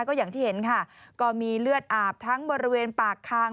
ก็อย่างที่เห็นค่ะก็มีเลือดอาบทั้งบริเวณปากคาง